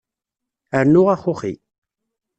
Rnu axuxi.